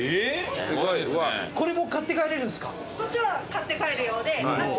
すごい。これも買って帰れるんすか？